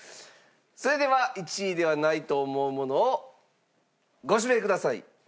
それでは１位ではないと思うものをご指名ください。